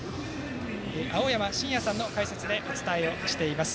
青山眞也さんの解説でお伝えしています。